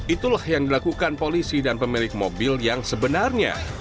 itulah yang dilakukan polisi dan pemilik mobil yang sebenarnya